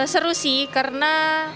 seru sih karena